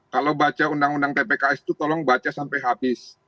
kalau baca undang undang tpks itu tolong baca sampai habis